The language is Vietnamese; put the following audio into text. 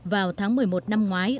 vào tháng một mươi một năm ngoái